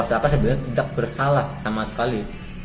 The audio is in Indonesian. siapa sebenarnya tidak bersalah sama sekali